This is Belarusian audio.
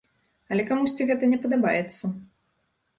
Але камусьці гэта не падабаецца.